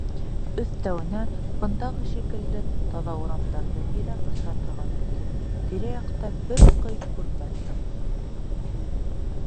Өҫтәүенә, бындағы шикелле таҙа урамдарҙы һирәк осратырға мөмкин, тирә-яҡта бер ҡый күрмәҫһең.